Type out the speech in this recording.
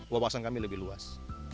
wawasan kami lebih luas